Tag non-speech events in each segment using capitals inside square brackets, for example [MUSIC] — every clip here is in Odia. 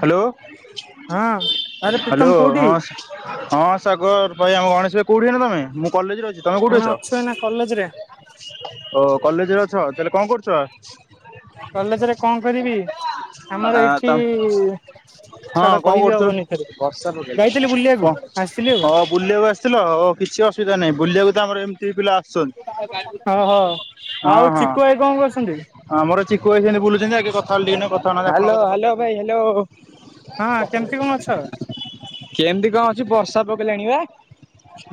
ହାଲୋ। ହଁ ଆରେ ପ୍ରୀତମ କୋଉଠି? ହଁ ସାଗର ଭାଇ ଆମ ଗଣେଶ ଭାଇ କୋଉଠି ଏନା ତମେ? ମୁ କଲେଜରେ ଅଛି ତମେ କୋଉଠି ଆମେ ଅଛ? ଅଛୁ ଏଇନା କଲେଜରେ ଓ କଲେଜରେ ଅଛ ତାହେଲେ କଣ କରୁଛ? କଲେଜରେ କଣ କରିବି ଆମର ଆ ତ ଏଇଠି ହଁ ଛାଡ କଣ କହିବି କରୁଥିଲ? ହବନି ଏଥରେ, ବର୍ଷା ପକେଇଲା। ଯାଇଥିଲି କଣ ବୁଲିବାକୁ ଆସିଥିଲି ଆଉ। ହଁ ବୁଲିବାକୁ ଆସିଥିଲ ଆଉ କିଛି ଅସୁବିଧା ନାହିଁ ବୁିବାକୁ ଆମର ଏମତି ଏତିକି ପିଲା ଆସୁଛନ୍ତି। ଓହୋ ହଁ ଆଉ ଚିକୁୁ ଭାଇ କଣ କରୁଛନ୍ତି? ହଁ ମୋର ଚୀକୁ ଭାଇ ବୁଲୁଛନ୍ତି ଆଗ କଥା [UNINTELLIGIBLE] ହଁ କେମିତି କଣ ଅଛ? କେମିତି କଣ ଅଛି ବର୍ଷା ପକେଇ ଲାଣି ବା।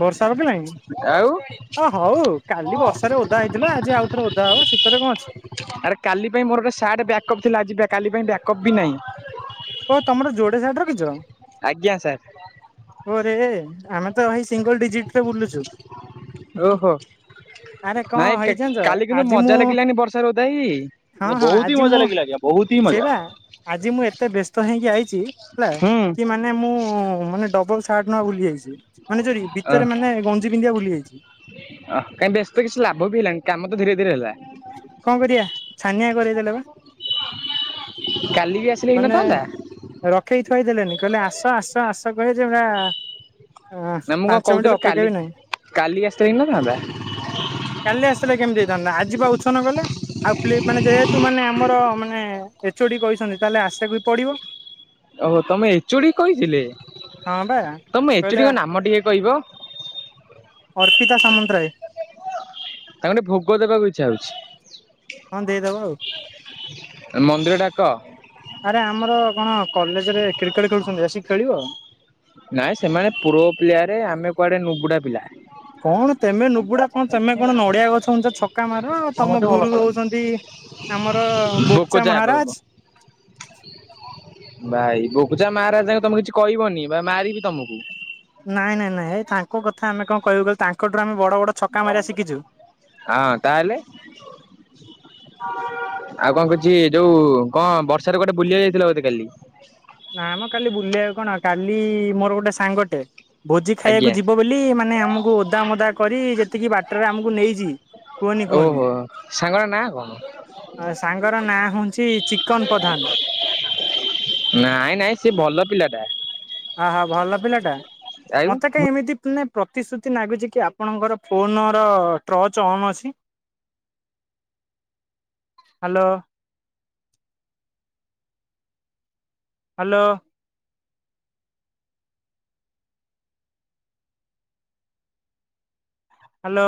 ବର୍ଷା ପକାଇଲାଣି? ଆଉ ଅ ହଉ କାଲି ବର୍ଷାରେ ଓଦା ହେଇଥିଲା ଆଜି ଆଉଥରେ ଓଦା ହବ ସେତରେ କଣ ଅଛି। ଆରେ କାଲି ପାଇଁ ମୋର ଗୋଟେ ସାର୍ଟ ବ୍ୟାକଅପ୍ ଥିଲା ଆଜି କାଲି ପାଇଁ ବ୍ୟାକଅପ୍ ବି ନାହିଁ। ଓ ତମର ଯୋ [UNINTELLIGIBLE] ଆଜ୍ଞା ସାର୍। ଓରେ, ଆମେ ତ ଏଇ ସିଙ୍ଗଲ ଡିଜିଟ୍ ରେ ବୁଲୁଛୁ। ଓହୋ। ଆରେ କଣ ନାଇଁ ହେଇ ଜାଣିଛ କାଲି କିନ୍ତୁ ଆଜି ମୁଁ ମଜା ଲାଗିଲାନି ବର୍ଷା ରେ ଓଦା ହେଇକି, ହଁ ହଁ ବୋହୁତ୍ ହିଁ ଆଜି ମୁଁ ମଜା ଲାଗିଲା। ବୋହୁତ୍ ହି ମଜା। ସେଇବା ଆଜି ମୁଁ ଏତେ ବ୍ୟସ୍ତ ହେଇକି ଆଇଛି ହେଲା ହୁଁ କି ମାନେ ମୁଁ ମାନେ ଡବଲ ସାର୍ଟ ନବା ଭୁଲି ଯାଇଛି। ମାନେ ଯୋରି ଭିତରେ ମାନେ ଗଞ୍ଜି ପିନ୍ଧିବା ଭୁଲି ଯାଇଛି। ଅ କାହିଁକି ବ୍ୟସ୍ତ କିଛି ଲାଭ ବି ହେଲାଣି କାମ ତ ଧୀରେ ଧୀରେ ହେଲା। କଣ କରିବା ଛାନିଆ କରେଇଦେଲେ ବା। କାଲି ବି ଆସ ମାନେ ରଖେଇ ଥୁଆଇଦେଲେନି କହିଲେ ଆସ ଆସ ଆସ କହିଲେ ଯୋ ନା ମୁଁ କଣ କହୁଥିଲି କାଲି କାଲି ଆସିଥିଲେ ହେଇ ନଥାନ୍ତା? କାଲି ଆସିଲେ କେମିତି ହେଇଥାନ୍ତା ଆଜିିବା ଉଛ ନ କଲେ। ଆଉ ପ୍ଲେ ମାନେ ଯେହେତୁ ମାନେ ଆମର ମାନେ ଏଚଓଡି କହିଛନ୍ତି ତାହେଲେ ଆସେକୁ ବି ପଡିବ। ଓହୋ ତମ ଏଚଓଡି କହିଥିଲେ। ହଁ ବା ତମ କହିଲେ ଏଚଡିଙ୍କ ନାମ ଟିକେ କହିବ? ଅର୍ପିତା ସାମନ୍ତରାୟ। ତାଙ୍କଠେ ଭୋଗ ଦେବାକୁ ଇଚ୍ଛା ହଁ ଦେଇଦବ ଆଉ ହଉଛି। ମନ୍ଦିର ଡାକ। ଆରେ ଆମର କଣ କଲେଜରେ କ୍ରିକେଟ୍ ଖେଳୁଛନ୍ତି ଆସିକି ଖେଳିବ? ନାଇଁ ସେମାନେ ପୁର ପ୍ୟରେ, ଆମେ କୁଆଡେ ନୁବୁଢା ପିଲା। କଣ ତମେ ଆଜ୍ଞା ନୁବୁଡା ଆପଣ କଣ ସେମିତି ତମେ କାଇଁ କଣ କଥା ନଡିଆ କହୁଛନ୍ତି ଗଛ ହଛ ଛକା ମାର ଆଉ ଆପଣ ତମ ମଧ୍ୟ ଭଲ ଗୁରୁ ଖେଳନ୍ତି। ହଉଛନ୍ତି ଆମର ବୋକୋ ବୋକ୍ଚା ଯା ବାବୁ। ମହାରାଜ। ଭାଇ ବଗୁଚା ମହାରାଜାଙ୍କୁ ତମେ କିଛି କହିବନି। ମାରିକି ତମକୁ। ନାଇଁ ନାଇଁ ନାଇଁ ଏଇ ତାଙ୍କ କଥା ଆମେ କଣ କହିବୁ କହିଲୁ ତାଙ୍କଠୁଁ ଆମେ ବଡ ବଡ। ଛକା ଘର ମଣି ମାରିବା କଥା ଶିଖିଛୁ। କଣ କହୁନୁ ହଁ ତାହେଲେ? ଆଉ କଣ କିଛି ଯୋଉଁ କଣ ବର୍ଷାରେ କୁଆଡେ ବୁଲିିବାକୁ ଯାଇଥିଲ ବୋଧେ କାଲି? ନାଁମ କାଲି ବୁଲିବାକୁ କଣ କାଲି ମୋର ଗୋଟେ ସାଙ୍ଗଟେ ଭୋଜି ଖାଇବାକୁ ଆଜ୍ଞା ଯିବ। ବୋଲି ମାନେ ଆମକୁ ଓଦା ମୋଦା କରି ଯେତିକି ବାଟରେ ଆମକୁ ନେଇଚି। ଓ ହୋ ସାଙ୍ଗ ନାଁ? ତା ଘର। ସାଙ୍ଗର ନାଁ ହଉଛି ଚିକନ ପ୍ରଧାନ ନାଇଁ ନାଇଁ ସେ ଭଲ ପିଲାଟା। ହଁ ହଁ ଭଲ ପିଲାଟା ଆଉ ମତେ କାହିଁ ଏମିତି ପ୍ରତିଶ୍ରୁତି ନାଗୁଚ କି ଆପଣଙ୍କର ଫୋନର ଟ୍ରଚ ଅନ୍ ଅଛି। ହାଲୋ। ହଲୋ। ହାଲୋ।